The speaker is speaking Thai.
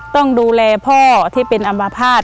ต้องดูแลพ่อที่เป็นอัมพาต